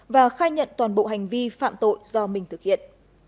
và khai nhận toàn bộ hành vi phạm tội do mình thực hiện